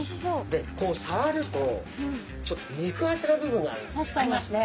でこうさわるとちょっと肉厚な部分があるんですよ。ありますね。